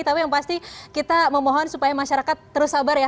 tapi yang pasti kita memohon supaya masyarakat terus sabar ya